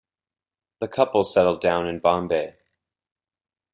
The couple settled down in Bombay.